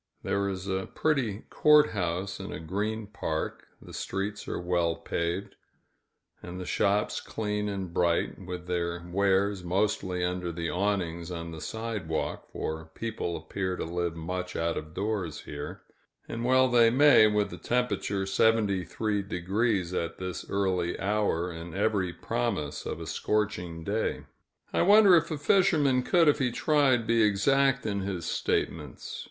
There is a pretty court house in a green park, the streets are well paved, and the shops clean and bright, with their wares mostly under the awnings on the sidewalk, for people appear to live much out of doors here and well they may, with the temperature 73° at this early hour, and every promise of a scorching day. I wonder if a fisherman could, if he tried, be exact in his statements.